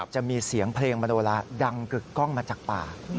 จะมีเสียงเพลงมโนลาดังกึกกล้องมาจากป่า